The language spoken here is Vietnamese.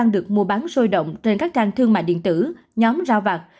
được mua bán sôi động trên các trang thương mại điện tử nhóm rau vặt